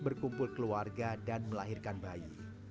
berkumpul keluarga dan melahirkan bayi